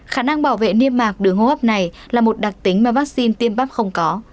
khả năng bảo vệ niêm mạc đường hô hấp này là một đặc tính mà vaccine tiêm bắp không có